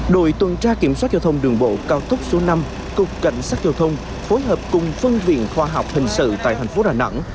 đội tuần tra kiểm soát giao thông đường bộ cao tốc số năm cục cảnh sát giao thông phối hợp cùng phân viện khoa học hình sự tại thành phố đà nẵng